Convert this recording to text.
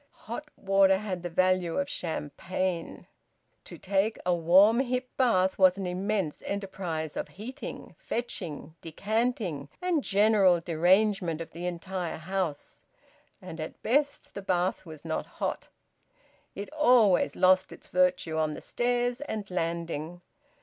Hot water had the value of champagne. To take a warm hip bath was an immense enterprise of heating, fetching, decanting, and general derangement of the entire house; and at best the bath was not hot; it always lost its virtue on the stairs and landing.